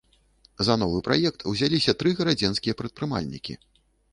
За новы праект узяліся тры гарадзенскія прадпрымальнікі.